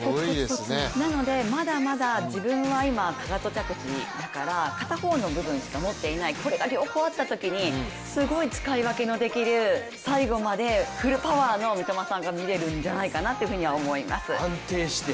なのでまだまだ自分は今、かかと着地だから片方の部分しか持っていないこれが両方あったときにすごい使い分けのできる最後までフルパワーの三笘さんが見られるんじゃないかなと思います。